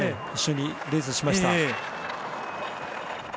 一緒にレースしました。